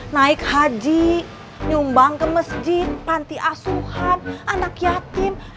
naik haji nyumbang ke masjid panti asuhan anak yatim